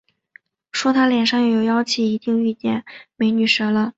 说他脸上有些妖气，一定遇见“美女蛇”了